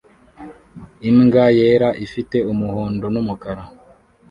Imbwa yera ifite umuhondo n'umukara